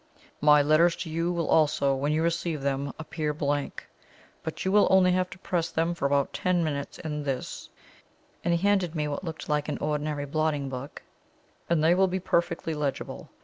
My letters to you will also, when you receive them, appear blank; but you will only have to press them for about ten minutes in this" and he handed me what looked like an ordinary blotting book "and they will be perfectly legible.